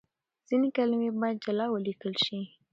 ځينې کلمې بايد جلا وليکل شي.